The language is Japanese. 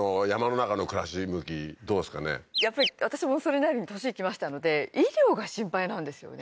やっぱり私もそれなりに年いきましたので医療が心配なんですよね